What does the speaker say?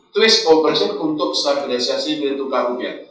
twist operation untuk stabilisasi nilai tukar rupiah